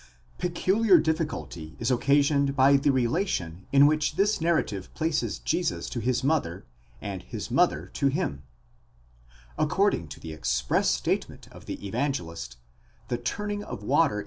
Peculiar difficulty is occasioned by the relation in which this narrative places Jesus to his mother, and his mother to him. According to the express statement of the Evangelist, the turning of water into wine was the deginning 11 Von Gottes Sohn ἃ.